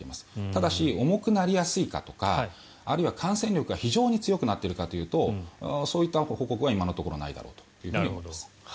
ただし、重くなりやすいかとかあるいは感染力が非常に強くなっているかというとそういった報告は今のところないだろうと思います。